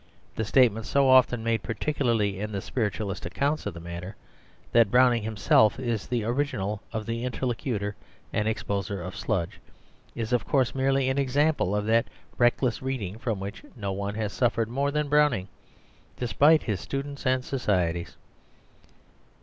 The statement so often made, particularly in the spiritualist accounts of the matter, that Browning himself is the original of the interlocutor and exposer of Sludge, is of course merely an example of that reckless reading from which no one has suffered more than Browning despite his students and societies.